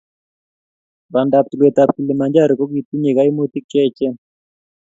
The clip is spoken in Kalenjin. Bandab tulweetab Kilimanjaro kokitinyei kaimutiik cheechen.